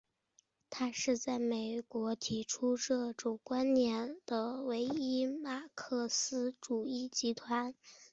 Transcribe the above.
它是在美国提出这种观点的唯一的马克思主义集团。